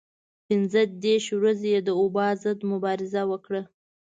پنځه دېرش ورځې یې د وبا ضد مبارزه وکړه.